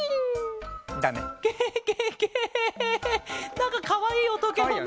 なんかかわいいおとケロね。